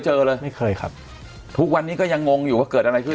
เจอเลยไม่เคยครับทุกวันนี้ก็ยังงงอยู่ว่าเกิดอะไรขึ้น